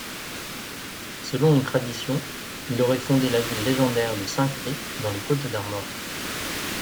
Selon une tradition, il aurait fondé la ville légendaire de Saint-Clet, dans les Côtes-d'Armor.